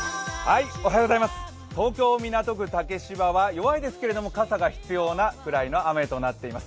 東京・港区竹芝は弱いですけれども、傘が必要なくらいの雨となっています。